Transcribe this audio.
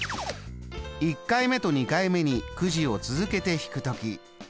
１回目と２回目にくじを続けて引くとき